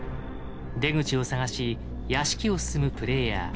出口を探し屋敷を進むプレイヤー。